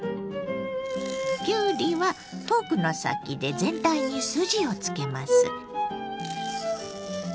きゅうりはフォークの先で全体に筋をつけます。